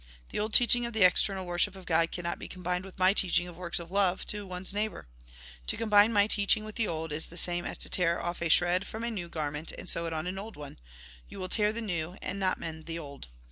The old teaching of the external worship of God cannot be combined with my teaching of works of love to one's neighbour. To combine my teaching with the old, is the Same as to tear off a shred from a new gar ment and sew it on an old one. You will tear the new and not mend the old.